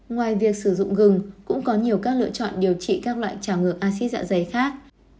ngoài việc sử dụng gừng cũng có nhiều các lựa chọn điều trị các loại trả ngược acid dạ dày khác